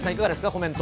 コメント。